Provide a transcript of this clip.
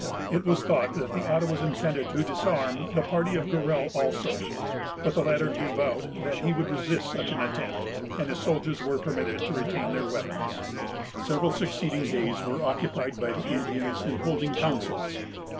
It was thought that the Ottawas intended to disarm the party of Gorell also; but the latter gave out that he would resist such an attempt, and his soldiers were permitted to retain their weapons. Several succeeding days were occupied by the Indians in holding councils.